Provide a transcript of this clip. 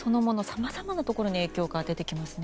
さまざまなところに影響が出てきますね。